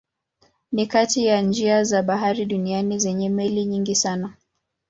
Ni kati ya njia za bahari duniani zenye meli nyingi sana.